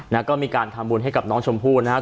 แล้วก็มีการทำบุญให้กับน้องชมพู่นะครับ